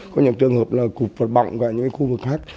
có những trường hợp là cục vật bọng và những khu vực khác